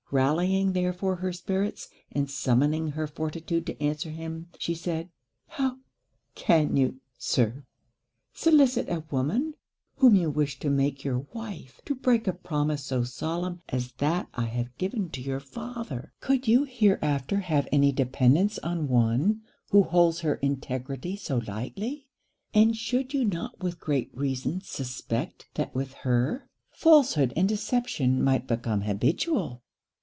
Rallying therefore her spirits, and summoning her fortitude to answer him, she said 'How can you, Sir, solicit a woman, whom you wish to make your wife, to break a promise so solemn as that I have given to your father? Could you hereafter have any dependance on one, who holds her integrity so lightly? and should you not with great reason suspect that with her, falsehood and deception might become habitual?'